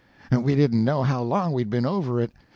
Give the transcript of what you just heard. We didn't know how long we'd been over it.